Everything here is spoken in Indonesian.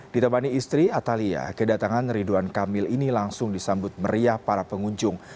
ditemani istri atalia kedatangan ridwan kamil ini langsung disambut meriah para pengunjung